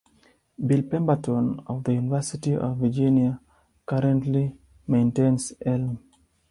Bill Pemberton of the University of Virginia currently maintains elm.